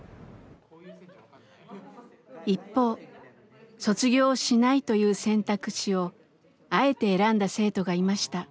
一方卒業をしないという選択肢をあえて選んだ生徒がいました。